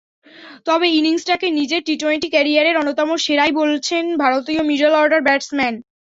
তবে ইনিংসটাকে নিজের টি-টোয়েন্টি ক্যারিয়ারের অন্যতম সেরাই বলছেন ভারতীয় মিডল অর্ডার ব্যাটসম্যান।